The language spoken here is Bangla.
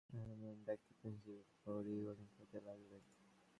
লোকে তাকে বীর বলতে লাগল এবং অসাধারণ ব্যক্তিত্ব হিসেবে পরিগণিত হতে লাগলেন।